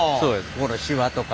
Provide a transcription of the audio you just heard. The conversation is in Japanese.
ここのシワとか。